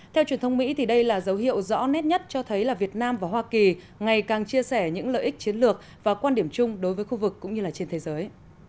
theo truyền thông mỹ đây là dấu hiệu rõ nét nhất cho thấy là việt nam và hoa kỳ ngày càng chia sẻ những lợi ích chiến lược và quan điểm chung đối với khu vực cũng như là trên thế giới